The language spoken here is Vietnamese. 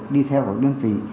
đi theo của đơn vị